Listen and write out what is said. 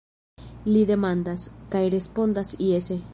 Li demandas – kaj respondas jese.